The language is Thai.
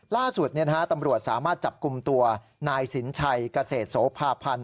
ล่าสุดตำรวจสามารถจับกลุ่มตัวนายสินชัยเกษตรโสภาพันธ์